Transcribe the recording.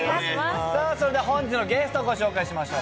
さあ、それでは本日のゲストをご紹介しましょう。